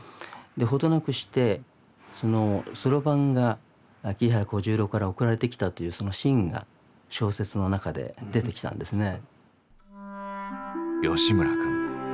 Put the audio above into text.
ほどなくしてその算盤が桐原小十郎から送られてきたというそのシーンが小説の中で出てきたんですね。